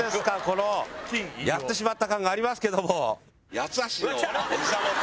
このやってしまった感がありますけども。